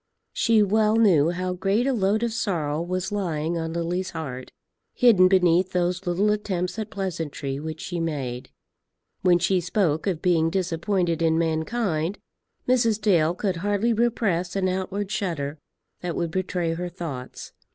She well knew how great a load of sorrow was lying on Lily's heart, hidden beneath those little attempts at pleasantry which she made. When she spoke of being disappointed in mankind, Mrs. Dale could hardly repress an outward shudder that would betray her thoughts.